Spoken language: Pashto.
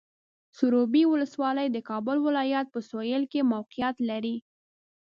سروبي ولسوالۍ د کابل ولایت په سویل کې موقعیت لري.